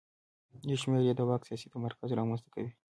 یو شمېر یې د واک سیاسي تمرکز رامنځته کوي.